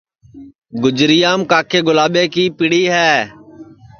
گُجریام کاکے گُلاٻے کی پیڑی ہے